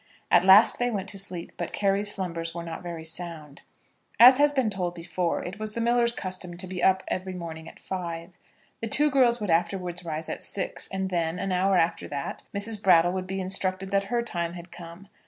At last they went to sleep, but Carry's slumbers were not very sound. As has been told before, it was the miller's custom to be up every morning at five. The two girls would afterwards rise at six, and then, an hour after that, Mrs. Brattle would be instructed that her time had come.